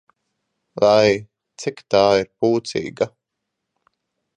Vai, cik tā ir pūcīga!